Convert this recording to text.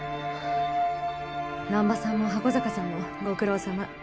南波さんも箱坂さんもご苦労さま。